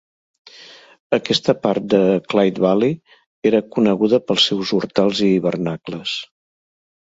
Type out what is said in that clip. Aquesta part de Clyde Valley era coneguda pels seus hortals i hivernacles.